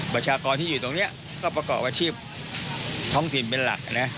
ประชากรที่อยู่ตรงนี้ก็ประกอบอาชีพท้องถิ่นเป็นหลักนะ